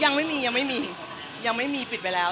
ยังไม่มียังไม่มียังไม่มีปิดไปแล้ว